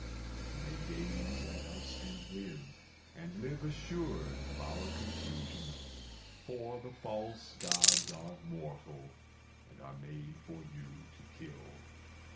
You may gaze at us and live, and live assured of our confusion: For the False Gods are mortal, and are made for you to kill.